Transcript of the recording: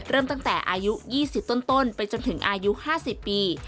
เริ่มตั้งแต่อายุ๒๐ต้นไปจนถึงอายุ๕๐ปี